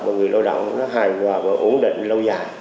và người lao động nó hài hòa và ổn định lâu dài